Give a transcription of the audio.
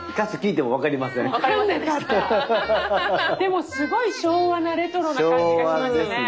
でもすごい昭和なレトロな感じがしましたね。